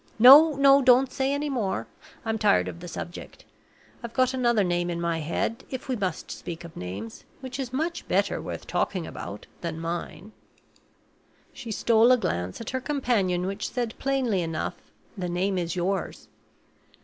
No! no! don't say any more; I'm tired of the subject. I've got another name in my head, if we must speak of names, which is much better worth talking about than mine." She stole a glance at her companion which said plainly enough, "The name is yours."